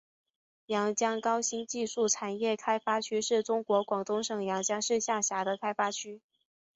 阳江高新技术产业开发区是中国广东省阳江市下辖的开发区。